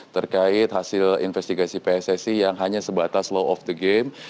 terkait hasil investigasi pssi yang hanya sebatas law of the game